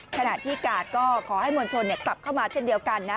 ขณะที่กาดก็ขอให้มวลชนกลับเข้ามาเช่นเดียวกันนะ